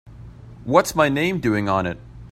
What's my name doing on it?